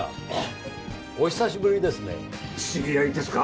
知り合いですか。